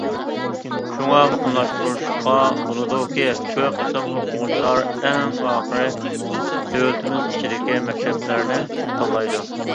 شۇڭا مۇقىملاشتۇرۇشقا بولىدۇكى، كۆپ قىسىم ئوقۇغۇچىلار ئەڭ ئاخىرى دۆلىتىمىز ئىچىدىكى مەكتەپلەرنى تاللايدۇ.